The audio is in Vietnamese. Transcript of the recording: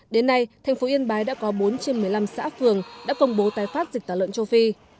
đến nay thành phố yên bái đã có bốn trên một mươi năm xã phường đã công bố tái phát dịch tả lợn châu phi